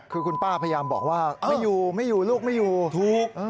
คือคุณป้าพยายามบอกว่าไม่อยู่ไม่อยู่ลูกไม่อยู่ถูก